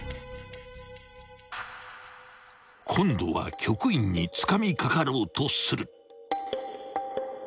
［今度は局員につかみかかろうとする］